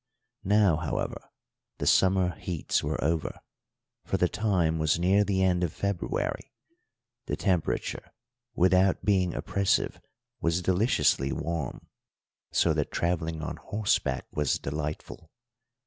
Now, however, the summer heats were over, for the time was near the end of February; the temperature, without being oppressive, was deliciously warm, so that travelling on horseback was delightful.